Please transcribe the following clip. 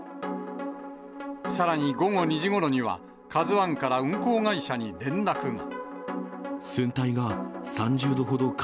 さらに午後２時ごろには、カズワンから運航会社に連絡が。